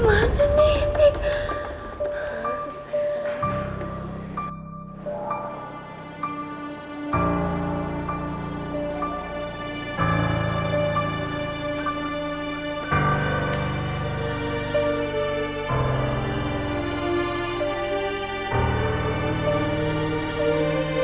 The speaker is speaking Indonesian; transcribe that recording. aduh gimana nih tik